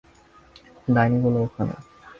ডাইনি গুলো ওখানে।